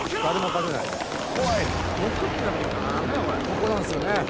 ここなんすよね。